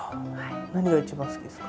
何が一番好きですか？